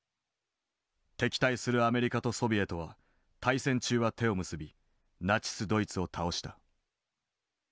敵対するアメリカとソビエトは大戦中は手を結びナチス・ドイツを倒した。